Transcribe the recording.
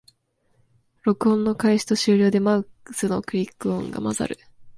録音の開始と終了でマウスのクリック音が混ざる